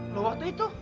loh waktu itu